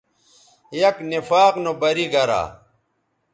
یک نفاق نو بری گرا